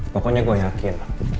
pokoknya gue yakin